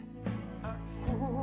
terima kasih bu